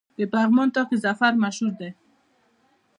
د پغمان طاق ظفر مشهور دی